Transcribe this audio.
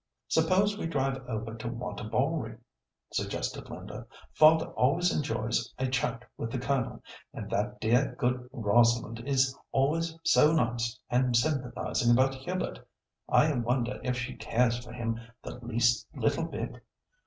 "Suppose we drive over to Wantabalree?" suggested Linda. "Father always enjoys a chat with the Colonel, and that dear, good Rosalind is always so nice and sympathising about Hubert. I wonder if she cares for him the least little bit?